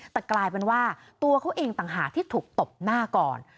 แต่กลายเป็นว่าตัวเขาเองต่างหากที่ถูกตบหน้าก่อน